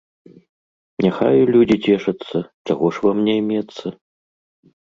Няхай людзі цешацца, чаго ж вам няймецца!